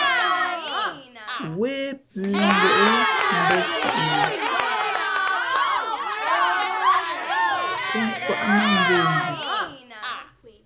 Wē pʉ̌ ngwěʼ mbᾱ siʼ mα mfάʼ nά ngə̂nduα.